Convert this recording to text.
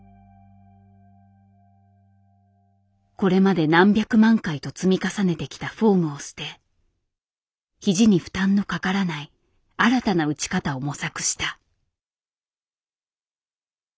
これまで何百万回と積み重ねてきたフォームを捨て肘に負担のかからない新たな打ち方を模索した。